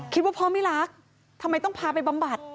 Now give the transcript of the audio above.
คิดว่าพ่อไม่รักทำไมต้องพาไปบำบัด